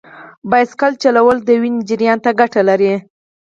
بایسکل چلول د وینې جریان ته ګټه لري.